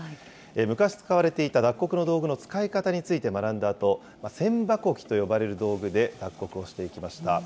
昔使われていた脱穀の道具の使い方について学んだあと、千歯こきと呼ばれる道具で脱穀をしていきました。